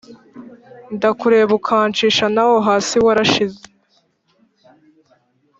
Ndakureba ukanshisha naho hasi warashize.